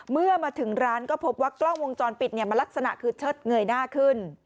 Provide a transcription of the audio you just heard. เมื่อมาถึงร้านก็พบว่ากล้องวงจรปิดมันลักษณะคือเชิดเงยหน้าขึ้น